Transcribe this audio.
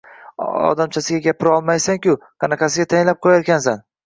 – Odamchasiga gapirolmaysan-ku, qanaqasiga tayinlab qo‘yarkansan?